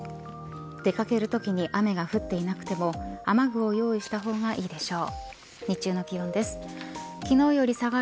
出掛けるときに雨が降っていなくても雨具を用意した方がいいでしょう。